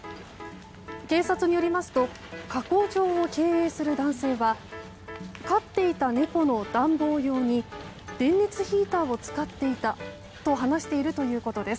警察によりますと加工場を経営する男性は飼っていた猫の暖房用に電熱ヒーターを使っていたと話しているということです。